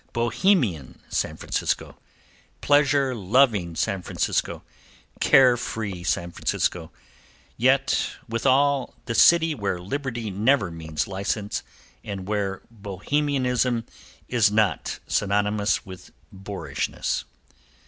Bohemian San Francisco! Pleasure loving San Francisco! Care free San Francisco! Yet withal the city where liberty never means license and where Bohemianism is not synonymous with Boorishness.